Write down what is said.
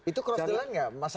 itu kerosdilan gak masak